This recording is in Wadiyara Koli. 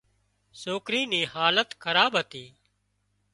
سوڪري نِي حالت خراب هتي